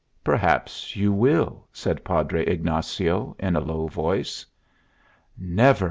"Perhaps you will," said Padre Ignacio, in a low voice. "Never!"